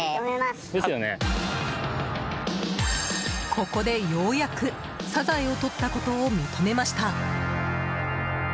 ここで、ようやくサザエをとったことを認めました。